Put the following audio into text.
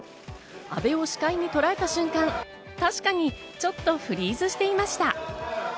阿部を視界にとらえた瞬間、確かにちょっとフリーズしていました。